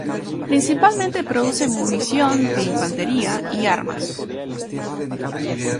Principalmente produce munición de infantería y armas.